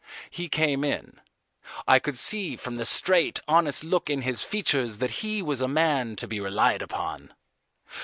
He came in. I could see from the straight, honest look in his features that he was a man to be relied upon.